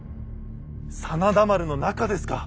真田丸の中ですか。